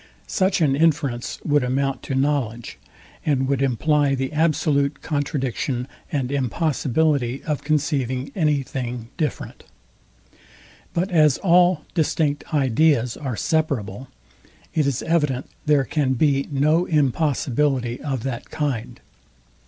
Such an inference would amount to knowledge, and would imply the absolute contradiction and impossibility of conceiving any thing different. But as all distinct ideas are separable, it is evident there can be no impossibility of that kind.